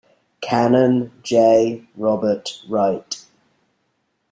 Canon J. Robert Wright.